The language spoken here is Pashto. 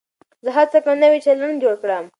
زه هڅه کوم نوی چلند جوړ کړم.